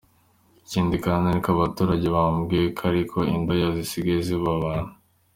Ikindi kandi ni uko n’abaturage bambwiye ko ariko indaya zisigaye ziba abantu".